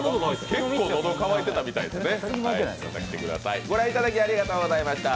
結構、喉渇いてたみたいですね。